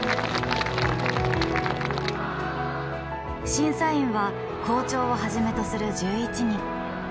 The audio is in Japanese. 審査員は校長をはじめとする１１人。